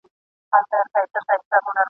د چا لاره چي پر لور د جهالت سي ..